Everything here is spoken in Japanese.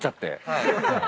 はい。